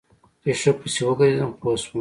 چې ښه پسې وګرځېدم پوه سوم.